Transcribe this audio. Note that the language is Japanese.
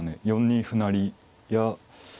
４二歩成や